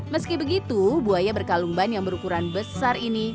meski begitu buaya berkalumban yang berukuran besar ini